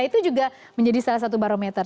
itu juga menjadi salah satu barometer